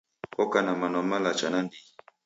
Koko na mano malacha nandighi.